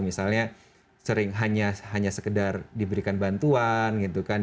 misalnya sering hanya sekedar diberikan bantuan gitu kan